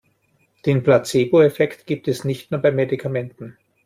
Den Placeboeffekt gibt es nicht nur bei Medikamenten.